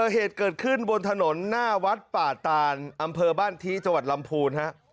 เหตุเกิดขึ้นบนถนนหน้าวัดป่าตานอำเภอบ้านที่จังหวัดลำพูนฮะ